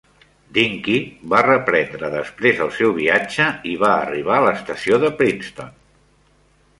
Dinky va reprendre després el seu viatge i va arribar a l'estació de Princeton.